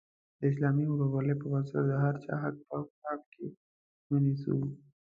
د اسلامي ورورولۍ پر بنسټ د هر چا حق په پام کې ونیسو.